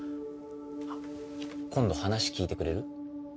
あっ今度話聞いてくれる？